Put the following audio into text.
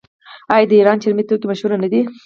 آیا د ایران چرمي توکي مشهور نه دي؟